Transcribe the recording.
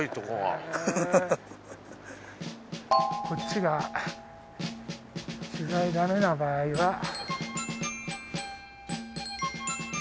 こっちが取材だめな場合は。